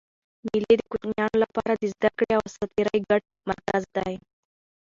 مېلې د کوچنيانو له پاره د زدهکړي او ساتېري ګډ مرکز دئ.